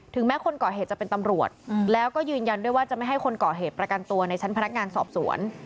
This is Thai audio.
แม้คนก่อเหตุจะเป็นตำรวจแล้วก็ยืนยันด้วยว่าจะไม่ให้คนก่อเหตุประกันตัวในชั้นพนักงานสอบสวน